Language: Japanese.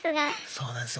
そうなんですよ。